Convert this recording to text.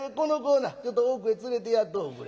ちょっと奥へつれてやっとおくれ。